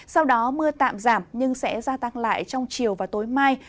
sau đó mưa tạm giảm nhưng sẽ gia tăng lại trong chiều và tối mai